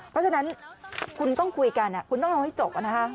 เพราะฉะนั้นคุณต้องคุยกันคุณต้องเอาให้จบ